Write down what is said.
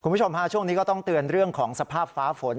คุณผู้ชมฮะช่วงนี้ก็ต้องเตือนเรื่องของสภาพฟ้าฝน